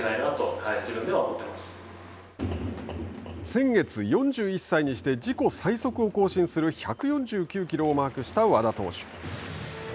先月、４１歳にして自己最速を更新する１４９キロをマークした和田投手。